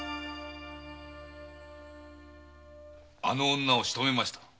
あの女をしとめました。